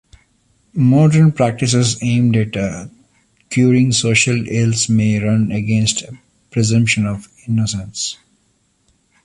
Modern practices aimed at curing social ills may run against presumption of innocence.